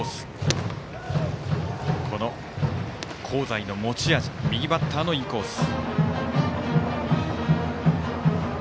香西の持ち味右バッターのインコース。